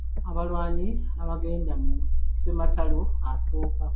Abalwanyi abaagenda mu ssematalo asooka.